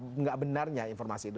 tidak benarnya informasi itu